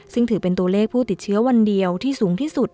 ซึ่งถือเป็นตัวเลขผู้ติดเชื้อวันเดียวที่สูงที่สุด